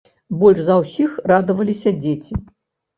Больш за ўсіх радаваліся дзеці.